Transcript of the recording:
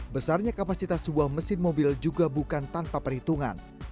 besarnya kapasitas sebuah mesin mobil juga bukan tanpa perhitungan